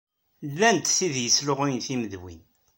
Llant wid yesluɣuyen timedwin.